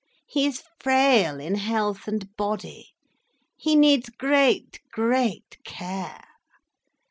He is frail in health and body, he needs great, great care.